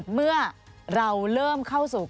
การเลือกตั้งครั้งนี้แน่